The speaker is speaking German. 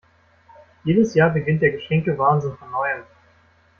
Jedes Jahr beginnt der Geschenke-Wahnsinn von Neuem.